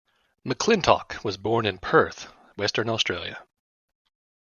McClintock was born in Perth, Western Australia.